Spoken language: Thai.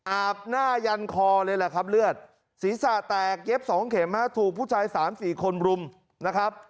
อาบหน้ายันคอเลยแหละครับเลือดศีรษะแตกเย็บ๒เข็มถูกผู้ชาย๓๔คนรุมนะครับ